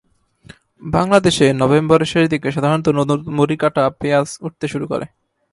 বাংলাদেশে নভেম্বরের শেষ দিকে সাধারণত নতুন মুড়িকাটা পেঁয়াজ উঠতে শুরু করে।